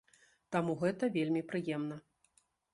Таму гэта вельмі прыемна.